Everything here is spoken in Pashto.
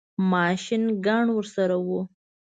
ماشین ګن ورسره وو.